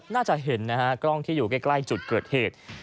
น่าจะเห็นนะฮะกล้องที่อยู่ใกล้จุดเกิดเหตุ